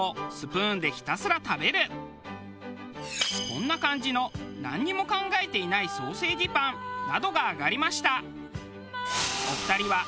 こんな感じのなんにも考えていないソーセージパンなどが挙がりました。